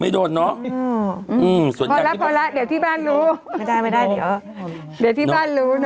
โดนเนอะอืมส่วนพอแล้วพอแล้วเดี๋ยวที่บ้านรู้พอได้ไม่ได้เดี๋ยวเดี๋ยวที่บ้านรู้นะ